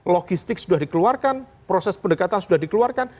logistik sudah dikeluarkan proses pendekatan sudah dikeluarkan